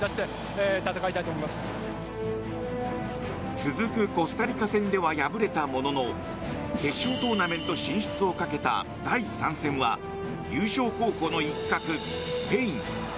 続くコスタリカ戦では敗れたものの決勝トーナメント進出をかけた第３戦は優勝候補の一角、スペイン。